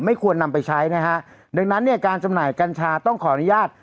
ควรนำไปใช้นะฮะดังนั้นเนี่ยการจำหน่ายกัญชาต้องขออนุญาต